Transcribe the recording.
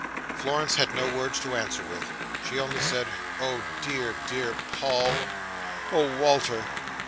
Florence had no words to answer with. She only said, "Oh, dear, dear Paul! oh, Walter!"